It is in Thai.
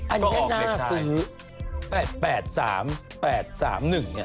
อันนี้น่าซื้อ๘๘๓๑เนี่ย